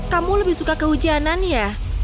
kamu lebih suka kehujanan ya